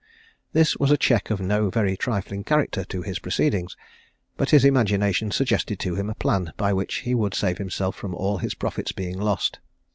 This was a check of no very trifling character to his proceedings, but his imagination suggested to him a plan by which he would save himself from all his profits being lost.